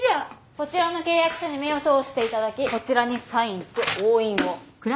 こちらの契約書に目を通していただきこちらにサインと押印を。